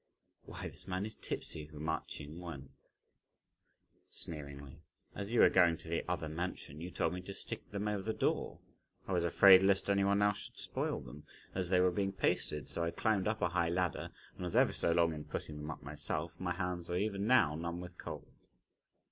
"Why this man is tipsy," remarked Ch'ing Wen sneeringly. "As you were going to the other mansion, you told me to stick them over the door. I was afraid lest any one else should spoil them, as they were being pasted, so I climbed up a high ladder and was ever so long in putting them up myself; my hands are even now numb with cold."